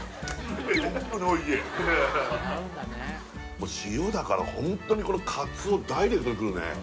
もう塩だからホントにこのカツオダイレクトにくるね